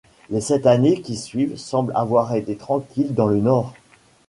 Les sept années qui suivent semblent avoir été tranquilles dans le Nord.